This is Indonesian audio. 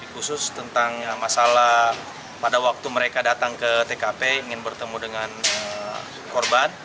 khusus tentang masalah pada waktu mereka datang ke tkp ingin bertemu dengan korban